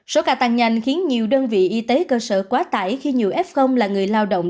số ca tăng nhanh khiến nhiều đơn vị y tế cơ sở quá tải khi nhiều f là người lao động